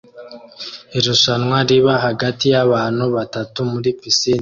Irushanwa riba hagati yabantu batatu muri pisine